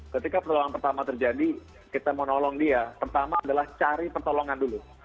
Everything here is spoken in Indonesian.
ketika pertolongan pertama terjadi kita mau nolong dia pertama adalah cari pertolongan dulu